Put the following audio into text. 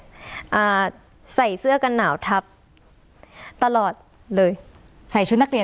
อ่าใส่เสื้อกันหนาวทับตลอดเลยใส่ชุดนักเรียน